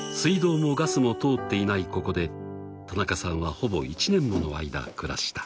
［ここで田中さんはほぼ１年もの間暮らした］